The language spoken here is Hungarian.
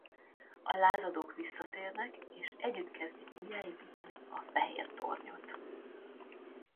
A lázadók visszatérnek és együtt kezdik újjáépíteni a Fehér Tornyot.